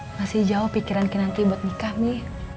masih jauh pikiran kinanti buat nikah mi